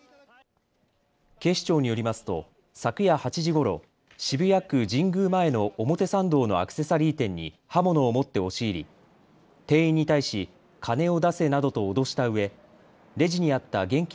警視庁によりますと昨夜８時ごろ渋谷区神宮前の表参道のアクセサリー店に刃物を持って押し入り店員に対し金を出せなどと脅したうえレジにあった現金